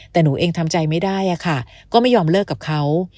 แต่หนูเองทำใจไม่ได้ค่ะก็ไม่ยอมเลิกกับเขา